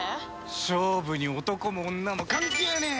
勝負に男も女も関係ねえ！